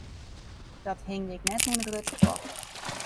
Dat hingje ik net oan 'e grutte klok.